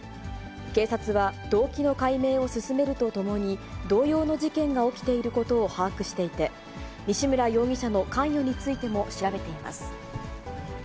警察は動機の解明を進めるとともに、同様の事件が起きていることを把握していて、西村容疑者の関与についても調べています。